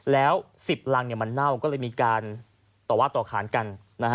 แล้ว๑๐รังมันเน่าก็เลยมีการต่อว่าต่อขานกัน